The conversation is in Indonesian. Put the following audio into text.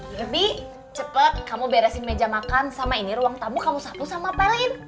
iya bi cepet kamu beresin meja makan sama ini ruang tamu kamu sapu sama apa lain